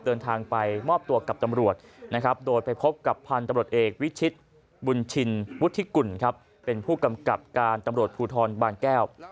เดินทางไปมอบตัวกับตำรวจนะครับโดยไปพบกับพันธุ์ตำรวจเอกวิชิตบุญชินวุฒิกุลครับเป็นผู้กำกับการตำรวจภูทรบางแก้ว